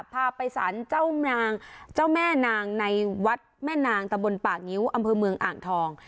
พาไปสารเจ้านางเจ้าแม่นางในวัดแม่นางตะบนป่างิ้วอำเภอเมืองอ่างทอง